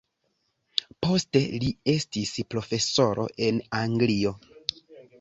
Poste li estis profesoro en Anglio.